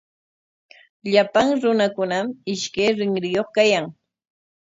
Llapan runakunami ishkay rinriyuq kayan.